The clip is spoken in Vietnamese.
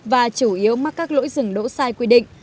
và chủ yếu mắc các lỗi dừng đỗ sai quy định